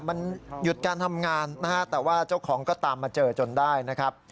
มันหยุดการทำงานนะฮะแต่ว่าเจ้าของก็ตามมาเจอจนได้นะครับ